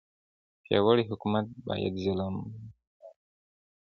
پیاوړی حکومت باید ظالم نه وي.